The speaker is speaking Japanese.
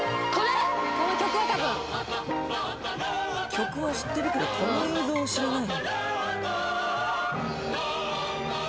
曲は知ってるけどこの映像を知らない。